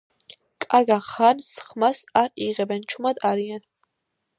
კარგა ხანს ხმას არ იღებენ, ჩუმად არიან,.